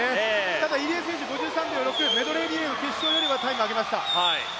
ただ入江選手、５３秒６メドレーリレーの決勝よりはタイムを上げました。